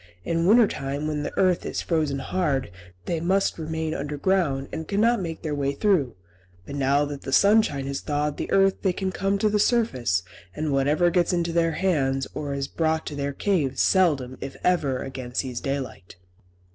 In winter time when the earth is frozen hard, they must remain underground, and cannot make their way through; but now that the sunshine has thawed the earth they can come to the surface, and whatever gets into their hands, or is brought to their caves, seldom, if ever, again sees daylight."